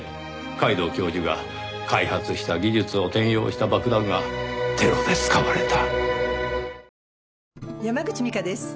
皆藤教授が開発した技術を転用した爆弾がテロで使われた。